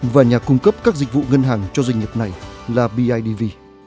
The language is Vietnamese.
và nhà cung cấp các dịch vụ ngân hàng cho doanh nghiệp này là bidv